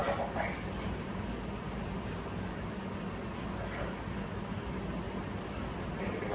คุณพร้อมกับเต้ย